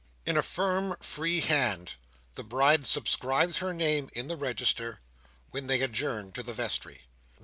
In a firm, free hand, the Bride subscribes her name in the register, when they adjourn to the vestry.